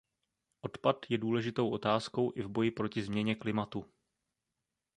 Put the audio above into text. Odpad je důležitou otázkou i v boji proti změně klimatu.